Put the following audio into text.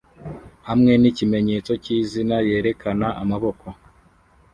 hamwe nikimenyetso cyizina yerekana amaboko